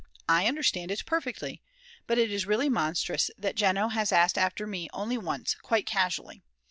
I understand it perfectly. But it is really monstrous that Jeno has asked after me only once, quite casually.